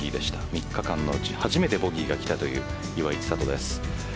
３日間のうち初めてボギーがきたという岩井千怜です。